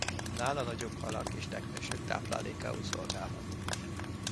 A nála nagyobb halak és teknősök táplálékául szolgálhat.